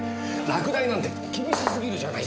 落第なんて厳しすぎるじゃないですか！